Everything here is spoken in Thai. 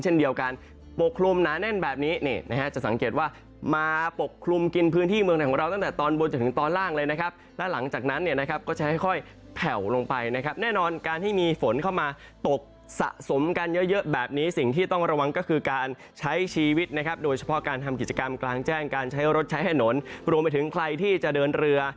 เช่นเดียวกันปกคลุมหนาแน่นแบบนี้นี่นะฮะจะสังเกตว่ามาปกคลุมกินพื้นที่เมืองไทยของเราตั้งแต่ตอนบนจนถึงตอนล่างเลยนะครับแล้วหลังจากนั้นเนี่ยนะครับก็จะค่อยแผ่วลงไปนะครับแน่นอนการที่มีฝนเข้ามาตกสะสมกันเยอะเยอะแบบนี้สิ่งที่ต้องระวังก็คือการใช้ชีวิตนะครับโดยเฉพาะการทำกิจกรรมกลางแจ้งการใช้รถใช้ถนนรวมไปถึงใครที่จะเดินเรือ